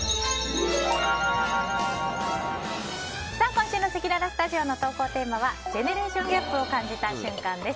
今週のせきららスタジオの投稿テーマはジェネレーションギャップを感じた瞬間です。